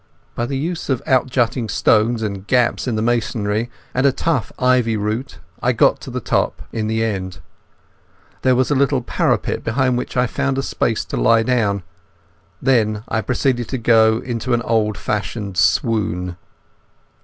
By the use of out jutting stones and gaps in the masonry and a tough ivy root I got to the top in the end. There was a little parapet behind which I found space to lie down. Then I proceeded to go off into an old fashioned swoon.